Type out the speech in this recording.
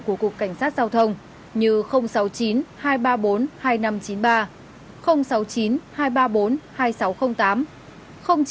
của cục cảnh sát giao thông